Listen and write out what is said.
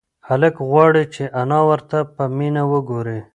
هلک غواړي چې انا ورته په مینه وگوري.